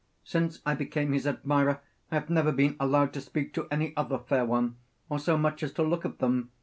Since I became his admirer I have never been allowed to speak to any other fair one, or so much as to look at them.